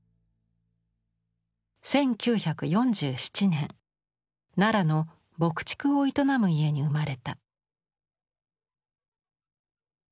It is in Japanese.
１９４７年奈良の牧畜を営む家に生まれた。